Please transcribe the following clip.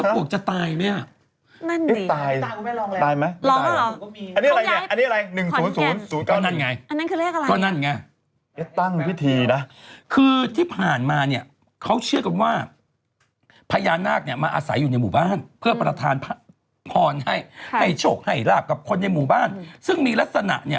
ก็สองงวดไม่ใช่เนี่ยเดือนนึงน่ะ